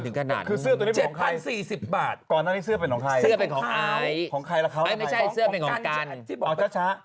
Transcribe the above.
เสื้อตัวนี้ของใครก่อนเห้อถึงเสื้อตัวนี้เป็นของใคร